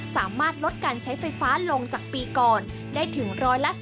สามารถลดการใช้ไฟฟ้าลงจากปีก่อนได้ถึง๑๔